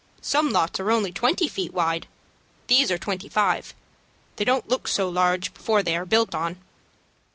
Some lots are only twenty feet wide. These are twenty five. They don't look so large before they are built on."